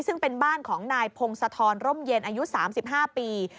ซึ่งเป็นบ้านของนายพงศธรร่มเย็นอายุ๓๕ปี